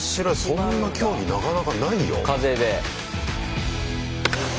そんな競技なかなかないよ。風で。